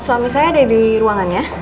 suami saya ada di ruangannya